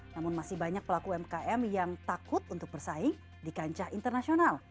namun masih banyak pelaku umkm yang takut untuk bersaing di kancah internasional